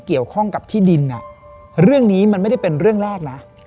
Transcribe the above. เกี่ยวข้องกับที่ดินเรื่องนี้มันไม่ได้เป็นเรื่องแรกนะ